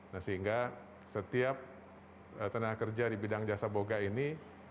nah sehingga setiap tenaga kerja di bidang jasa boga ini